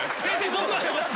僕はしてます。